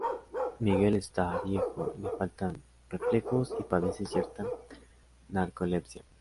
Miguel está viejo, le faltan reflejos y padece cierta narcolepsia.